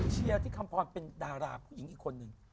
เชียร์ที่คำพรเป็นดาราผู้หญิงอีกคนนึง